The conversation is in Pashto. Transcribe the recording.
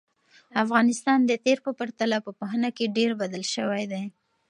افغانستان د تېر په پرتله په پوهنه کې ډېر بدل شوی دی.